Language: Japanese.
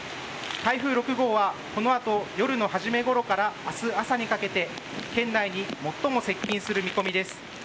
台風６号はこのあと、夜の初めごろから明日朝にかけて県内に最も接近する見込みです。